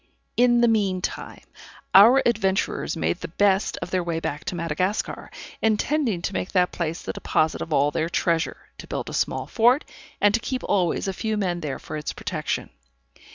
In the mean time, our adventurers made the best of their way back to Madagascar, intending to make that place the deposit of all their treasure, to build a small fort, and to keep always a few men there for its protection.